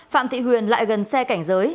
phạm thị huyền lại gần xe cảnh giới